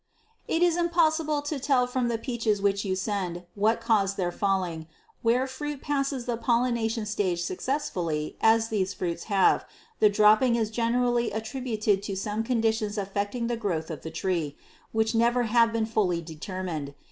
It is impossible to tell from the peaches which you send what caused their falling. Where fruit passes the pollination stage successfully, as these fruits have, the dropping is generally attributed to some conditions affecting the growth of the tree, which never have been fully determined.